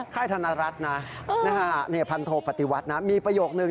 ค่ายธนรัฐนะพันโทปฏิวัตินะมีประโยคนึง